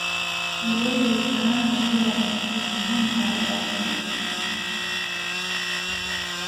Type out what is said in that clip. tendo hilo lilifanana na lile la mtakatifu jean marie baptiste